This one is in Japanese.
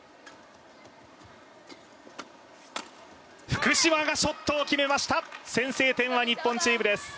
福島がショットを決めました先制点は、日本チームです。